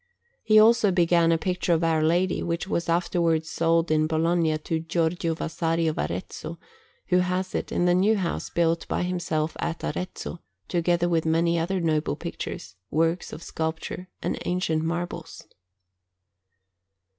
He also began a picture of Our Lady, which was afterwards sold in Bologna to Giorgio Vasari of Arezzo, who has it in the new house built by himself at Arezzo, together with many other noble pictures, works of sculpture, and ancient marbles.